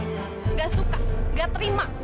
nggak suka nggak terima